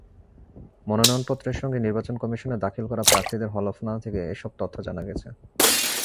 মনোনয়নপত্রের সঙ্গে নির্বাচন কমিশনে দাখিল করা প্রার্থীদের হলফনামা থেকে এসব তথ্য জানা গেছে।